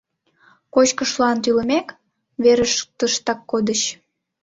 Кочкышлан тӱлымек, верыштыштак кодыч.